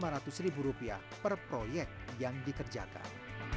rp lima ratus ribu rupiah per proyek yang dikerjakan